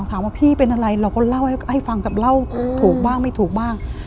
ถามว่าพี่เป็นอะไรเราก็เล่าให้ฟังกับเล่าถูกบ้างไม่ถูกบ้าง